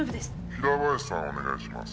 「平林さんをお願いします」